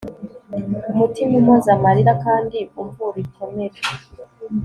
umutima umpoza amarira kandi umvura ibikomere